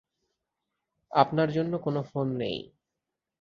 আপনার জন্য কোনো ফোন নেই।